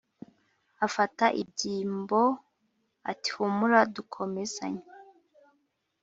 afata ibyimbo ati "humura dukomezanye